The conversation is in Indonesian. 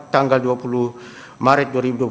tanggal dua puluh maret dua ribu dua puluh